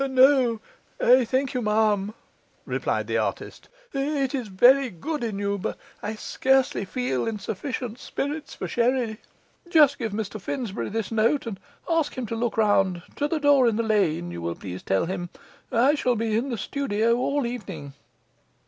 'No, I thank you, ma'am,' replied the artist. 'It is very good in you, but I scarcely feel in sufficient spirits for sherry. Just give Mr Finsbury this note, and ask him to look round to the door in the lane, you will please tell him; I shall be in the studio all evening.